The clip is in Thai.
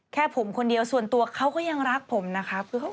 แค่ผมคนเดียวส่วนตัวเขาก็ยังรักผมนะครับ